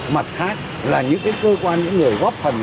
mặt khác là những cơ quan những người góp phần